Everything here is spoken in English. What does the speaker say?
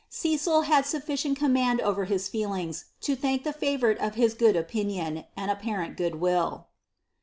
"' Ccril had sufficient (■■■■mmand over his feplings lo ihank tli 6*ouriie for hie good opinion and apparent good will.